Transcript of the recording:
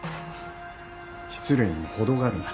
失礼にもほどがあるな。